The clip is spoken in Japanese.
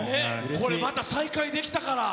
これまた再会できたから。